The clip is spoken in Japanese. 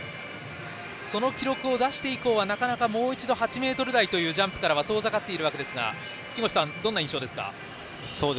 その記録を出して以降はなかなかもう一度８ｍ台というジャンプからは遠ざかっているわけですが木越さん、どんな印象ですか。